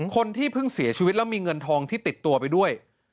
คนที่เพิ่งเสียชีวิตแล้วมีเงินทองที่ติดตัวไปด้วย